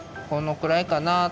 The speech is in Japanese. これくらいかな。